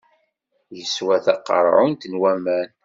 Yeswa taqeṛɛunt n waman.